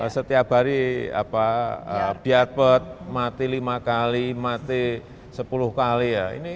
setiap hari biarpet mati lima kali mati sepuluh kali ya